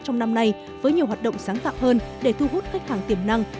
trong năm nay với nhiều hoạt động sáng tạo hơn để thu hút khách hàng tiềm năng